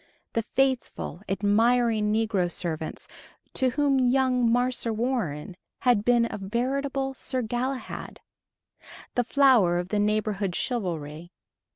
the faithful, admiring negro servants to whom young "Marse Warren" had been a veritable Sir Galahad the flower of the neighborhood chivalry.